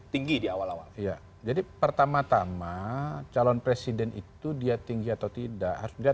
tinggi di awal awal ya jadi pertama tama calon presiden itu dia tinggi atau tidak harus dia